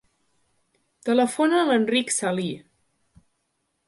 Telefona a l'Enric Salhi.